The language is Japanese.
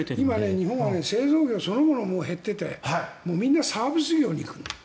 今、日本は製造業そのものも減っていてみんなサービス業に行く。